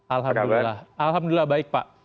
alhamdulillah baik pak